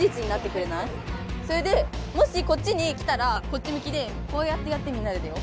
それでもしこっちに来たらこっちむきでこうやってやってみんなで出よう。